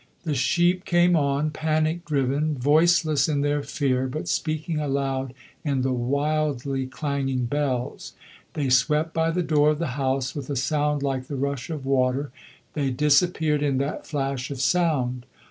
The sheep came on, panic driven, voiceless in their fear, but speaking aloud in the wildly clanging bells; they swept by the door of the house with a sound like the rush of water; they disappeared in that flash of sound.